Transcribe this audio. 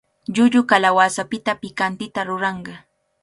Llullu kalawasapita pikantita ruranqa.